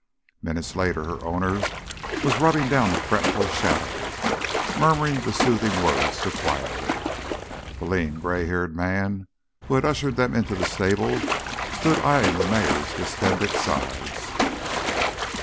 Minutes later her owner was rubbing down the fretful Shadow, murmuring the soothing words to quiet her. The lean, gray haired man who had ushered them into the stable stood eyeing the mare's distended sides.